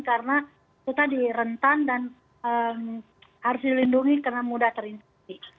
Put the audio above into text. karena kita direntan dan harus dilindungi karena mudah terinfeksi